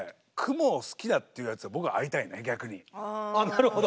なるほど。